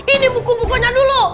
ini buku bukunya dulu